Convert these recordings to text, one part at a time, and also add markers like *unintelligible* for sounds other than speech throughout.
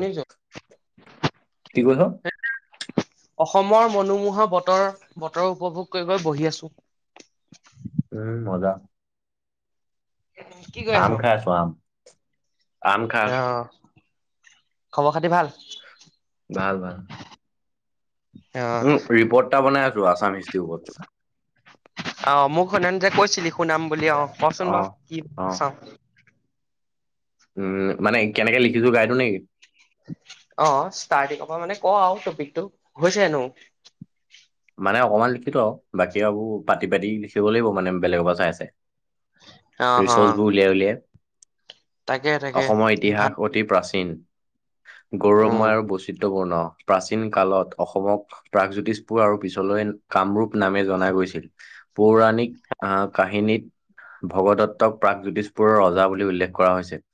শুনিছো কি কৈছ অসমৰ মনোমোহা বতৰ বতৰ উপভোগ কৰি কৰি বহি আছোঁ। উম মজা। কি কৰি আছ? আম খাই আছোঁ আম আম খাই অ আছো খবৰ খাতি ভাল ভাল ভাল। অ উম ৰিপৰ্ট এটা বনাই আছো আছাম হিষ্ট্ৰিৰ ওপৰত অ মোক সৈদিনা যে কৈছিলি শুনাম বুলি অ কচোন অ বাৰু কি অ চাওঁ উম মানে কেনেকে লিখিছোঁ গাই দিওঁ নেকি অ ষ্টাৰ্টিংৰ পৰা মানে ক আৰু টপিকটো হৈছে হেনো মানে অকমান লিখিলো বাকী আৰু পাতি পাতি লিখিব লাগিব মানে বেলেগৰ পৰা চাই চাই অ অ ৰিচৰ্চবোৰ উলিয়াই উলিয়াই তাকে তাকে অসমৰ ভাল ইতিহাস অতি প্ৰাচীন। উম গৌৰৱময় আৰু বৈচিত্ৰপূৰ্ণ প্ৰাচীন কালত অসমক প্ৰাগজ্যোতিষ পুৰ আৰু পিছলৈ কামৰূপ নামে জনা গৈছিল পৌৰাণিক আ কাহিনীত ভগদত্তক প্ৰাগজ্যোতিষপুৰৰ ৰজা বুলি উল্লেখ কৰা হৈছে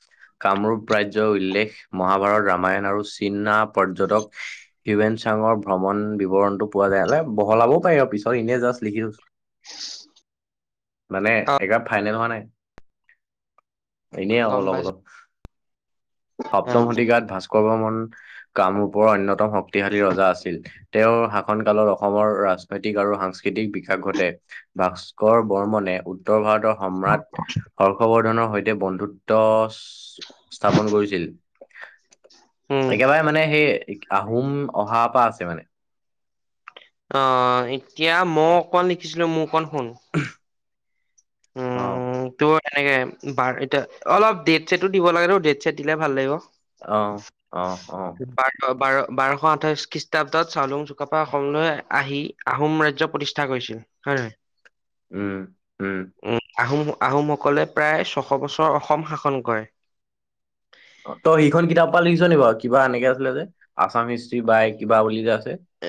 কামৰূপ ৰাজ্যৰ উল্লেখ মহাভাৰত ৰামায়ণ আৰু চীনা পৰ্যটক ইভেন চাঙৰ ভ্ৰমণ বিৱৰণতো পোৱা যায় হলে বহলাবও পাৰি আৰু পিছত এনে জাষ্ট লিখি থৈছোঁ। মানে অ একেবাৰে ফাইনেল হোৱা নাই এনে আৰু গম অলপ পাইছো অলপ সপ্তম শতিকাত ভাস্কৰ বৰ্মন কামৰূপৰ অন্যতম শক্তিশালী ৰজা আছিল তেওঁৰ কালত অসমৰ ৰাজনৈতিক আৰু সাংস্কৃতিক বিকাশ ঘটে ভাস্কৰ বৰ্মনে উত্তৰ ভাৰতৰ সম্ৰাট হৰ্ষবৰ্ধনৰ সৈতে বন্ধুত্ব স্থাপন কৰিছিল উম একেবাৰে মানে সেই আহোম অহাৰ পৰা আছে মানে অ এতিয়া মই অকমান লিখিছিলো মোৰ খন শুন অ উ তোৰ এনেকে বাৰ এতিয়া অলপ ডেট চেটটো দিব লাগে ডেট চছেট দিলে ভাল লাগিব। অ অ', বাৰ বাৰ বাৰশ আঠাইশ খ্ৰীষ্টাব্দত চাওলুং চুকাফা অসমলৈ আহি আহোম ৰাজ্য প্ৰতিষ্ঠা কৰিছিল *unintelligible* উম উম আহোম আহোমসকলে প্ৰায় ছশ বছৰ অসম শাসন কৰে ত সেইখন কিতাপ পা লিছ নি বাৰু কিবা এনেকে আছিলে যে আছাম হিষ্ট্ৰি বা কিবা বুলি যে আছিল। এ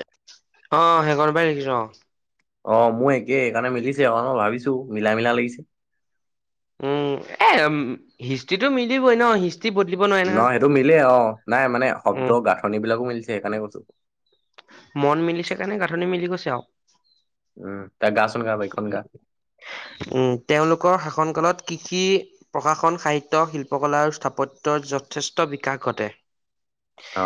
অ সেইখন পাই লিখিছো অ। অ মোৰ একেই সেইকাৰণে মিলিছে অকণ মই ভাবিছো মিলা মিলা লাগিছে। হিষ্ট্ৰ্ৰীটো মিলিবই ন হিষ্ট্ৰী নহ সেইটো মিলেই অ নাই মানে শব্দ উম গাঁথনি বিলাকো মিলিছে সেইকাৰণে কৈছো। মন মিলিছে কাৰনে গাঁথনি মিলি গৈছে আৰু উম তই গাচোন গা এইখন গা। উম তেওঁলোকৰ শাসন কালত কৃষি। প্ৰশশন সাহিত্য শিল্পকলা আৰু স্থাপত্যৰ যথেষ্ট বিকাশ ঘটে। অ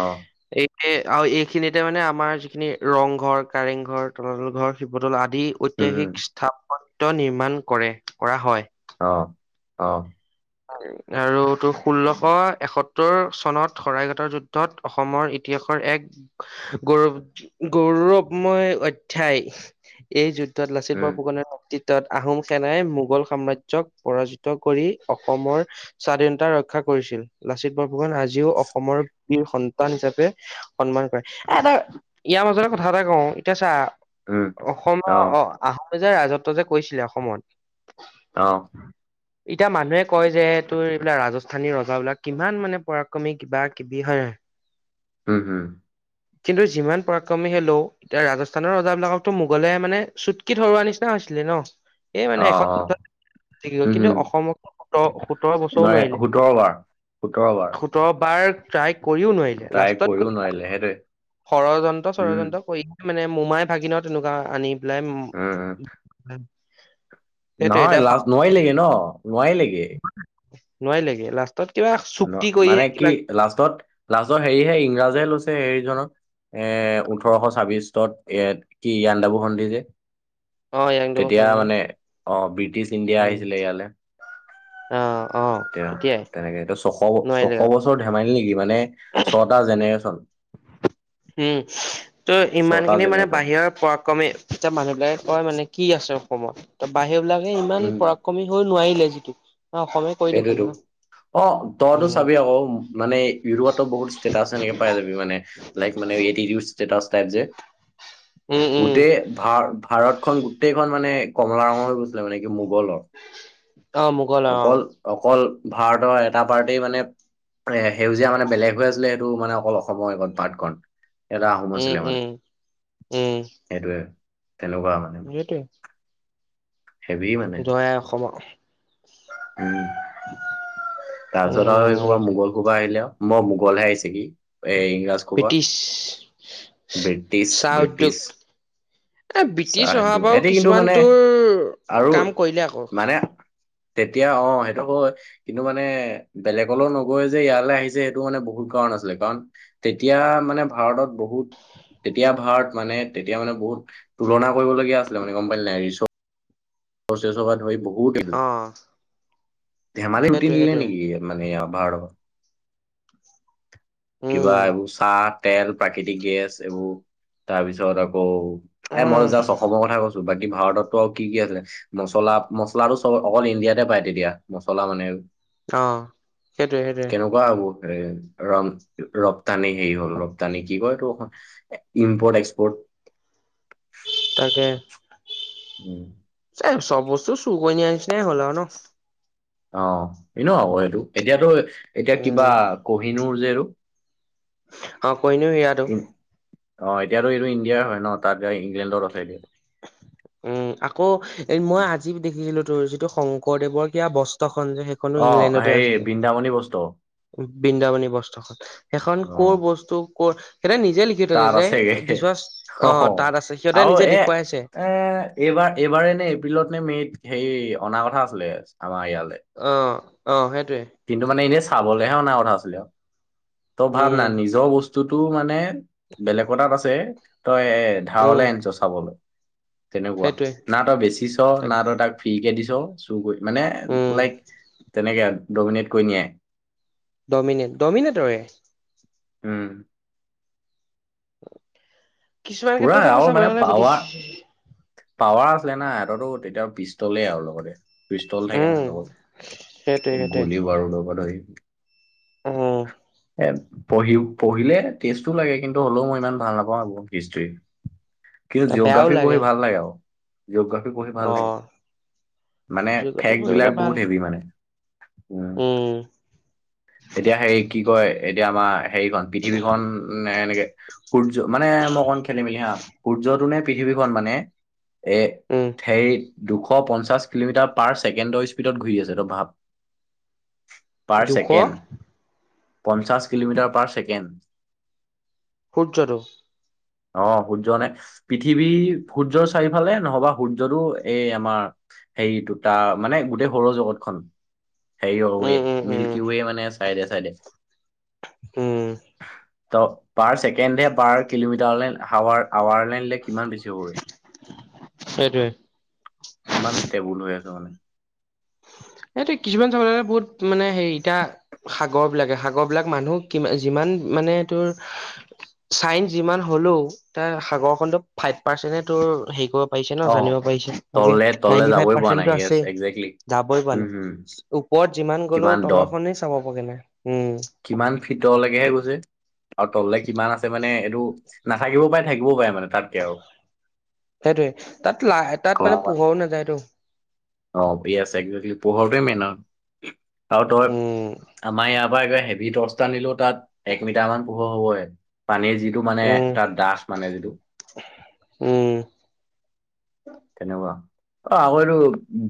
এই আৰু এইখিনিতে মানে আমাৰ যিখিনি ৰংঘৰ কাৰেংঘৰ তলাতল ঘৰ শিৱদল আদি। উম, উম, ঐতিহাসিক স্থাপত্য নিৰ্মাণ কৰে কৰা হয়। অ অহ আৰু ত ষোল্লশ এসত্তৰ চনত শৰাইঘাটৰ যুদ্ধত অসমৰ এতিয়া। ৰ এক গৌৰৱ গৌৰৱময় অধ্যায় এই যু লাচিত উম, বৰফুকনৰ নেতৃত্বত আহোম সেনাই মোগল সাম্ৰাজ্যক পৰাজিত কৰি। অসমৰ স্বাধীনতা ৰক্ষা কৰিছিল লাচিত বৰফুকান আজিও অসমৰ বীৰ সন্তান হিচাপে সন্মান কৰে এটা ইয়াৰ মাজতে কথা এটা কওঁ এতিয়া চা উম, অসমৰ অ আহোম যে ৰাজত্ব যে কৈছিলে অসমত অ', এতিয়া মানুহে কয় যে তোৰ এইবিলাক ৰাজস্থানী ৰজাবিলাক কিমান মানে পৰাক্ৰমী কিবা কিবি হয় ন। হুম হু। কিন্তু যিমান পৰাক্ৰমী হলেও এতিয়া ৰাজস্থানৰ ৰজাবিলাকতো মোগলে মানে চুটকি থৰোৱা নিচিনা হৈছে। ছিলে ন এই অ', মানে এখন অ', উম, কিন্তু উম, অসমত। সোতৰ বছৰো নোৱাৰে নোৱাৰিলে সোতৰ বাৰ, সোতৰ বাৰ। সোতৰ বাৰ ট্ৰাই কৰিও নোৱাৰিলে তাই লাষ্টত কৰিও গৈ নোৱাৰিলে সেইটোৱে, ষড়যন্ত্ৰ উম, ড়যন্ত্ৰ কৰি। মানে মোমাই ভাগিনৰ তেনেকুৱা আনি উম, উম। পেলাই। সেইটোৱে নহয় এতিয়া পা লাজ নোৱাৰিল লেগে ন নোৱাৰ লেগে। নাৱাৰি লেগে ন মানে কি লাষ্টত লাষ্টৰ হেৰিহে ইংৰাজেহে লৈছে। এ জনক এ ওঠৰশ ছাব্বিশত এ কি ইণ্ডাবু সন্ধি যে অ একডাবু তেতিয়া সন্ধি - মানে অ ব্ৰিটিছ ইণ্ডিয়া আহিছিলে ইয়ালৈ। অ অ এতিয়া তেতিয়াই তেনেকে এয়া ছশ নোৱাৰিলে ছশ আও বছৰ ধেমালি নেকি। মানে ছটা জেনেৰে্যন উম ত' ইমান খিনি মানে জেনেৰেশ্যন বাহিৰৰ পৰাক্ৰম এয়া মানুহবিলাক কয় মানে কি আছ অসমত ত বাহিৰ বিলাকে ইমান উম পৰাক্ৰমী হৈ নোৱাৰিলে যিটো তমে ক দেখাল সেইটোৱেতো ন। অ তইতো উম চাবি আকৌ মানে ইউৰোপতো বহুত ষ্টেট আছে এনেকে পাই যাবি মানে লাইক ইও স্টেটাছ পাই যে উম উম গোটেই ভ ভাৰতখন গোটেই খন মানে কমলা ৰঙৰ হৈ গৈছিলে মানে কি মোগলৰ। অ মোগল অ অকল অকল ভাৰতৰ এটা পাৰ্টি মানে। এ সেউজীয়া মানে বেলেগ হৈ আছিলে সেইটো মানে অকল অসমৰত পঠখনণ। এ আহমদ উম, ছালমানানে উম, উম, সেইটোৱে। তেনেকুৱা মানে হেভি মানে জয় আই অসম ক উম তাৰপিছত আৰু এই উম, হুপা মোগল হুপা আহিলে আৰু মই ভোগলহে আহিছে কি এ ইংৰাজ কবা ব্ৰিটিছ ব্ৰিটিছ চাহ ব্ৰিটিছ। উদ্যোগ এ ব্ৰিটিছ চাহ অহাৰ পৰাও হেতি কিন্তু কিছুমান মানে তোৰ আৰু কাম কৰিলে আকৌ মানে তেতিয়া অ সেইটো হয় কিন্তু মানে বেলেগলৈ নগৈ যে ইয়ালৈ আহিছে সেইটো মানে বহুত ধৰণৰ আছিলে কাৰণ তেতিয়া মানে ভাৰতত বহুত তেতিয়া ভাৰত মানে তেতিয়া মানে বহুত তুলনা কৰিবলগীয়া আছিলে মানে গম পালি নাই অ শেষোব হয় বহু অহ ধেমালি উটি দিলে নেকি মানে ভাৰতৰ কিবা উম, এইবোৰ চাহ তেল প্ৰাকৃতিক গেছ এইবোৰ তাৰপিছত আকৌ এ মই উম, জাষ্ট অসমৰ কথা কৈছো বাকী ভাৰততটো আৰু কি কি আছে মচলা মচলাটো চব অকল ইণ্ডিয়াতে পায় তেতিয়া মছলা মানে অ সেইটোৱেই সেইটোৱেই ৰ ৰপ্তানি হেৰি হ'ল ৰপ্তানি কি কয় এইটো ইম্পৰ্ট এক্সপৰ্ট *inaudible* তাকে উম চব বস্তু চুৰ কৰি নিয়া নিচিনাই হ'ল ন অ এ ন আকৌ এইটো এতিয়াতো এতিয়া কিবা উম, কহিনুৰ যে এইটো অ কনো সিৰাাতটো ইন- অ এতিয়াতো এইটো ইণ্ডিয়াৰ হয় ন তাত এয়া ইংলেণ্ডত আছে এতিয়া উম আকৌ এ মই উম। আজি দেখিছিলো তোৰ যিটো শংকৰদেৱৰ কিবা বস্ত্ৰ খন যে সেইখনো অ ইংলেণ্ডতে হেৰি আছে বৃন্দাবনী বস্তু বৃন্দাবনী বস্ত্ৰখন সেইখন অ কৰ বস্তু কৰ সিহঁতে নিজে লিখি থৈছে তাত যে আছেগে দিছ অ আহ তাত আছে সিহঁতে আৰু নিজে এ দেখুৱাইছে এ এইবাৰ এইবাৰ নে এপ্ৰিলত নে মে'ত হেই অনা কথা আছিলে আমাৰ ইয়াত অ অ সেইটো কিন্তু মানে এনেই চাবলৈহে অনা কথা আছিলে ত ভাৱ উম ন নিজৰ বস্তুটো মানে বেলেগ তাত আছে তই এ উম ধাৰলৈ আনিছ চাবলৈ তেনেকুৱা সেইটোৱে না তই বেছিছ না তই তাক ফ্ৰী কে দিছ চুৰ কৰি মানে উম লাইক তেনেকে ডমিনেট কৰি নিয়ে ডমনেট ডমিনেট ৰয় উম কিছুমান পুৰা ক্ষেত্ৰত আকৌ আৰু চাবলৈ মানে গ'লে B T power C power আছিলে না সিহঁতো তেতিয়া পিষ্টলেই আৰু লগতে পিষ্টল থাকে উম নহ সেইটোৱে লগত সেইটোৱে গুলী বাৰু লগ ধৰি উম এ পঢ়ি পঢ়িলে টেষ্টও লাগে কিন্তু হ'লেও মই ইমান ভাল নাপাওঁ এইবোৰ হিষ্ট্ৰি কিন্তু জিঅগ্ৰাফি পঢ়ি ভাল লাগে আৰু জিঅগ্ৰাফী পঢ়ি ভাল অ লাগে মানে জিঅগ্ৰাফী ফেক পঢ়িবলে বিলাক ভাল বহুত হেভি মানে উম তেতিয়া হে কি কয় এতিয়া আমাৰ হেৰিখন পৃথিৱীখনন এনেকে সূৰ্য মানে মই কণ খেলি মেলি হা সূৰ্যটো নে পৃথিৱীখন মানে এই উম হেৰী দুশ পঞ্চাশ কিলোমিটাৰ পাৰ ছেকেণ্ডৰ স্পীডত ঘূৰি আছে ত' ভাব পাৰ দুশ! ছেকেণ্ড পঞ্চাশ কিলোমিটাৰ পাৰ ছেকেণ্ড সূৰ্যটো! অ সূৰ্য নে পৃথিৱী সূৰ্যৰ চাৰিওফালে নহবা সূৰ্যটো এই আমাৰ সেই দুটা মানে গোটেই সৌৰ জগতখন সে ৱে উম উম উম মিল্কি ৱে মানে চাইডে চাইডে উম ত পাৰ ছেকেণ্ডে পাৰ কিলোমিটাৰলৈ হাৱাৰ আাৱাৰ লাইনে কিমান বেছি হব, সেইটোৱে কিমান ষ্টেবুল হৈ আছে। ে *inaudible* এইটো কিছুমান চাবলে বহুত মানে হে এতিয়া সাগৰ বিলাকে সাগৰ বিলাক মানুহ কি যিমান মানে তোৰ চাই যিমান হ'লো ত সাগৰ খন ফাইপ পাৰ্চেন্টে ত হেই পাইছে ন অ জানিব পাৰিছে তাকে তললে তললে নাইটি ফাইভ যাবই পৰা নাই পাৰ্চেন্টটো য়েছ আছে একজেক্টলি যাবই পোৱা উম নাই। হম ওপৰত যিমান কিমান গ'লেও দ তলৰ খনেই চাব পোৱা গে নাই। উম কিমান ফিতলৈকেহে গৈছে আৰু তললে কিমান আছে মানে এইটো। নাথাকিও পাৰে থাকিব পাৰে মানে। তাতকে আৰু সেইটোৱে তাত লা তাত মানে গৰমত পোহৰও নাযায়টো। অ আছে এক পোহৰটো মেইন হয় আৰু তই উম আমাৰ ইয়াত। তাৰব হেভি দহটা নিলেও তাত এক মিটাৰ মান পোহৰ হ'বই পানী যি যিটো মানে উম তাৰ দাস মানে যিটো উম তেনেকুৱা। অ আকৌ এইটো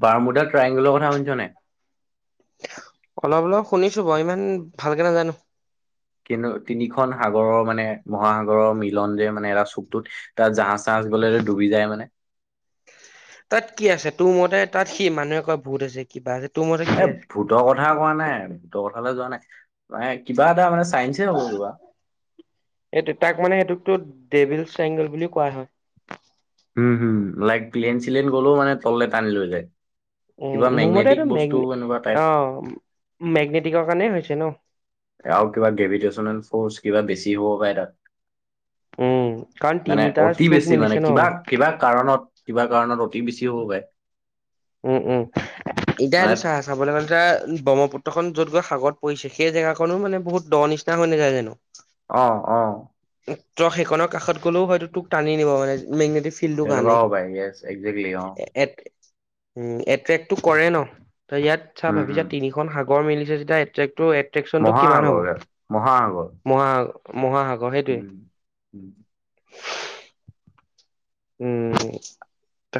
বাৰ্মুদা ট্ৰায়ংগলৰ কথা শুনিছা নাই। অলপ অলপ শুনিছোঁ বৰ ইমান ভালকে নাজানো। কিন্তু তিনিখন সাগৰৰ মানে মহাসাগৰৰ মিলন যে মানে এটা চুকটোত তাত জাহ- চাহ মাছ গলেৰে ডুবি যায় মানে। তাত কি আছে তোৰ মতে তাত সি মানুহে ক ভূত আছে কিবা তোৰ মতে কি এ আছে ভূতৰ কথা কোৱা নাই, ভূতৰ কথালৈ যোৱা নাই, ম কিবা এটা মানে চাইন্সে হ'ব কিবা এইটো তাক মানে সেইটোক ডেভিল চেংগল বুলি কোৱা হয়। উম হম লাইক প্লেন চিলেন গ'লেও মানে তলে টানি লৈ যায়। উ কিবা মোৰ মোৰ মেগনেটিক মতেটো বস্তু এনেকুৱা টাইপ মেগনে অ মেগনেটিকৰ কাৰণে হৈছে ন। কিবা গ্ৰেভিটেশচনেল ফ'ৰ্চ কিবা বেছি হ'ব পাৰে উম তাত। কাৰণ মানে তিনিটা অতি চুক বেছি মানে মিলিছে ন কিবা কিবা কাৰণত কিবা কাৰণত অতি বেছি হ'ব পাৰে। উম উম এতিয়া মানে এইটো চাহ চাবলৈ গ'লে যে ব্ৰহ্মপুত্ৰ পুত্ৰখন য'ত গৈ সাগৰ পৰিছে সেই জেগাখননো মানে বহুত দৰ নিচিনা হৈ নাযায় জানো। অ অ। ত সেইখনৰ কাষত গ'লেও হয় তোক টানি নিব মানে মে ফিল্ডৰ তেনেকুৱা কাৰণে হ'ব পাৰে য়েছ একজেক্টলি অ এ উ এট্ৰেক্টটো কৰে ন, ত ইয়াত চা উম হম ভাবিছা তিনিখন সাগৰ মিলিছে যেতিয়া এট্ৰেট এট্ৰেকনটো কিমান হ'ব, মহাসাগৰ মহাসাগৰ মহা মহাগ উম উম। উম ত।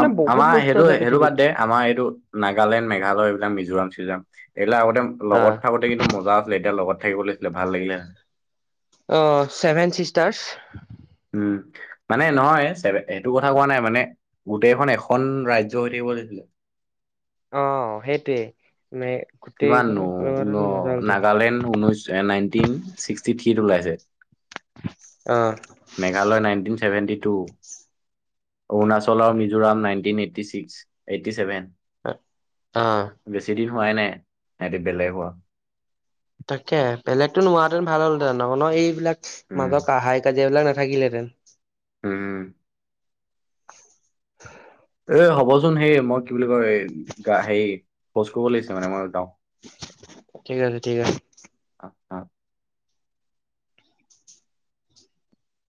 আ আমাৰ সেইটো সেইটো বাদ দে। আমাৰ এইটো নাগালেণ্ড, মেঘালয়, এইবিলাক মিজোৰাম যাম। এইবিলাক আগতে আহ লগত খাকোতে কিন্তু মজা আছিলে। এতিয়া লগত থাকিব লাগিছিলে ভাল লাগিলে অ ছেভেন চিষ্টাৰছ। উম মানে নহয়। এইটো কথা কোৱা নাই মানে গোটেইখন এখন ৰাজ্য হৈ হৈ থাকিলে অ সেইটোৱে। মে কিমান গোটেইখন নো মজা হ'লহেতেন নাগালেণ্ড ঊনৈছ নাইনটিন ছিক্সটি থ্ৰী। থ্ৰীত ওলাইছে, অ মেঘালয় নাইনটি চেভেন্তিন। অৰুণাচল আৰু Mizoram ninety eighty six eighty seven. অহ। বেছি দিন হোৱাই নাই, সেতি বেলেগৰ তাকে। বেলেগতটো নোহোৱাহেঁতেন ভাল হ'লহতেন। নহ ন এইবিলাক উম মাজৰ কা হাই কাজিয়া এইবিলাক না নাথাকিলেহেঁতেন। উম। *inaudible* এ হ'বচোন সেই মই কি বুলি গা হেৰি শৌচ কৰিব লাগিছে মানে মই যাওঁ। ঠিক আছে, ঠিক আছে। অ।